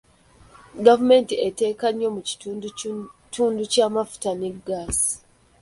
Gavumenti eteeka nnyo mu kitundutundu ky'amafuta ne ggaasi.